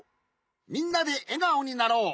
みんなでえがおになろう！